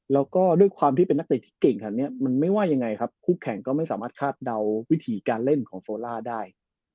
แล้วก็ด้วยความที่เป็นนักเตะที่เก่งขนาดนี้มันไม่ว่ายังไงครับคู่แข่งก็ไม่สามารถคาดเดาวิถีการเล่นของโซล่าได้